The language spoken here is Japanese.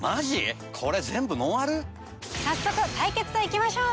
早速対決といきましょう！